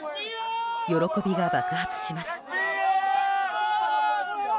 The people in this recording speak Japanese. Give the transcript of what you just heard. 喜びが爆発します。